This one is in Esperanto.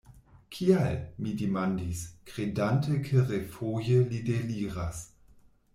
Kial? mi demandis, kredante ke refoje li deliras.